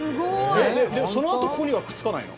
そのあとここにはくっつかないの？